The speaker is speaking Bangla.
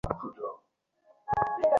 আপনার এতদিন অপেক্ষা করা উচিৎ হয়নি, অ্যালেক্স।